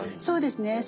そうですね